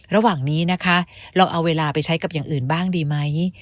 ระหว่างนี้นะคะเราเอาเวลาไปใช้กับอย่างอื่นบ้างดีไหม